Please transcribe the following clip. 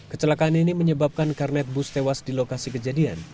kecelakaan ini menyebabkan karnet bus tewas di lokasi kejadian